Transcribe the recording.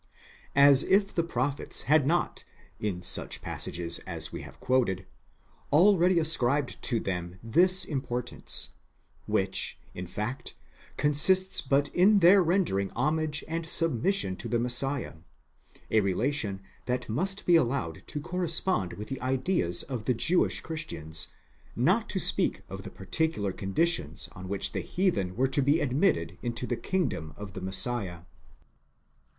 *® As if the prophets had not, in such passages as we have quoted, already ascribed to them this importance, which, in fact, consists but in their rendering homage and sub mission to the Messiah, a relation that must be allowed to correspond with the ideas of the Jewish Christians, not to speak of the particular conditions on whieh the heathen were to be admitted into the kingdom of the Messiah.